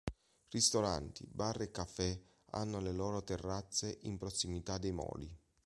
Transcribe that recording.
Ristoranti, bar e caffè hanno le loro terrazze in prossimità dei moli.